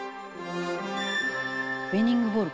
「ウイニングボール